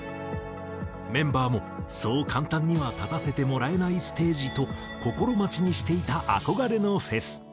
メンバーも「そう簡単には立たせてもらえないＳｔａｇｅ」と心待ちにしていた憧れのフェス。